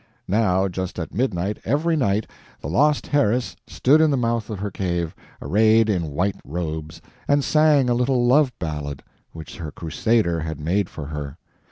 Now just at midnight, every night, the lost heiress stood in the mouth of her cave, arrayed in white robes, and sang a little love ballad which her Crusader had made for her.